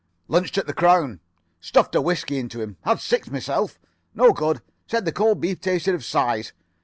"Lunched at the 'Crown.' Stuffed a whiskey into him. Had six myself. No good. Said the cold beef tasted of size.